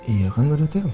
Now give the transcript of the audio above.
iya kan gak ada telepon tadi